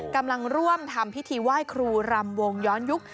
กำลังร่วมทำพิธีไหว้ครูรำวงย้อนยุค